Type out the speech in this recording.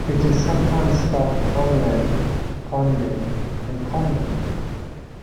It is sometimes spelt Conlan, Conlen and Conlin.